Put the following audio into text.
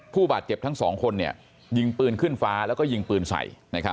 ผู้บาดเจ็บทั้งสองคนยิงปืนขึ้นฟ้าแล้วก็ยิงปืนใส่